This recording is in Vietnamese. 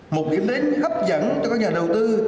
một điểm đến hấp dẫn cho các nhà đầu tư